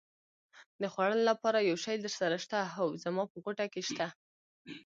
د خوړلو لپاره یو شی درسره شته؟ هو، زما په غوټه کې شته.